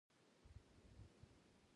په سروبي کې قابلي دیګ راښکته کړو.